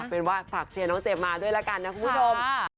เป็นว่าฝากเชียร์น้องเจมมาด้วยละกันนะคุณผู้ชม